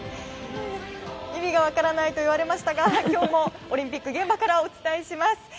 意味が分からないと言われましたが今日もオリンピックの現場からお伝えします。